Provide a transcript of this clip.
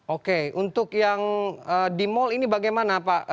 oke untuk yang di mal ini bagaimana pak